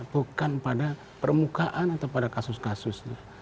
bukan pada permukaan atau pada kasus kasusnya